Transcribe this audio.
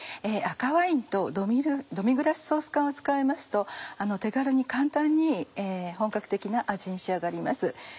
赤ワインとドミグラスソース缶を使いますと手軽に簡単に本格的な味に仕上がります。